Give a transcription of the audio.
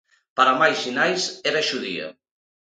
Para máis sinais, era xudía.